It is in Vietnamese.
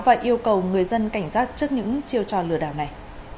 và yêu cầu người dân cảnh giác trước những chiêu trò lừa đảo này